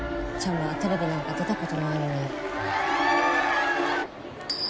むはテレビなんか出たことないのに・